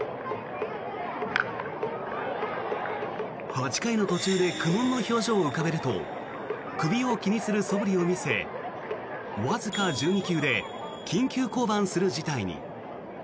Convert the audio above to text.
８回の途中で苦悶の表情を浮かべると首を気にするそぶりを見せわずか１２球で緊急降板する事態に。